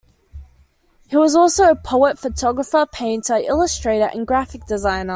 He was also a poet, photographer, painter, illustrator, and graphic designer.